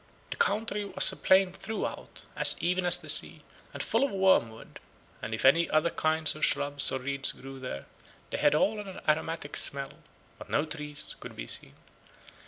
47 "The country was a plain throughout, as even as the sea, and full of wormwood; and if any other kind of shrubs or reeds grew there, they had all an aromatic smell, but no trees could be seen.